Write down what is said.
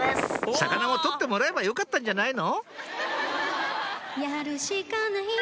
魚も取ってもらえばよかったんじゃないの？